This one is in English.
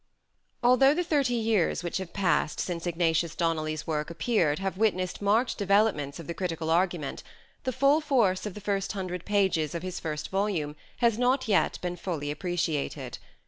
Although the thirty years which have passed since Ignatius Ignatius Donnelly's work appeared have witnessed Donnelly marked developments of the critical argument, the full force of the first hundred pages of his first volume has not yet been fully appreciated.